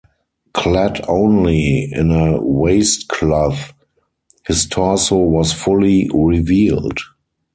Clad only in a waist-cloth, his torso was fully revealed.